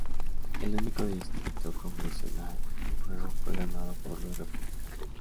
El único distrito congresional en juego fue ganado por los Republicanos.